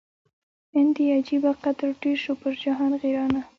نن دي عجبه قدر ډېر سو پر جهان غیرانه